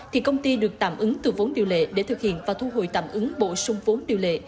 thì công ty được tạm ứng từ vốn điều lệ để thực hiện và thu hồi tạm ứng bổ sung vốn điều lệ